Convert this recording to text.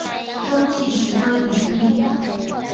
踪迹十分隐蔽。